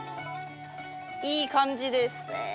いい感じですね。